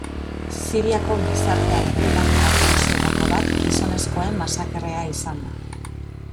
Siriako gizartearen aldaketa nagusietako bat gizonezkoen masakrea izan da.